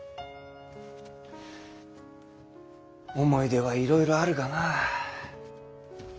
思い出はいろいろあるがなあ。